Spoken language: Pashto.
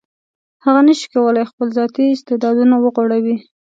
هغه نشي کولای خپل ذاتي استعدادونه وغوړوي.